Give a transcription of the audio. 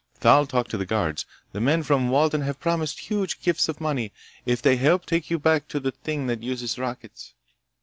Thal talked to the guards. The men from Walden have promised huge gifts of money if they help take you back to the thing that uses rockets."